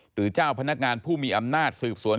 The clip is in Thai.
เจ้าพนักงานผู้มีอำนาจสืบสวน